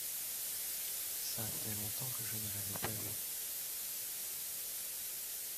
Ça fait longtemps que je ne l’avais pas vu.